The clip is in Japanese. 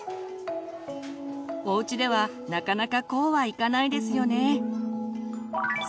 おうちではなかなかこうはいかないですよね。